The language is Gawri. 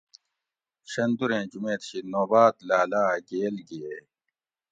شندورے جمیت شی نوبات لالہ گیل گھئیگ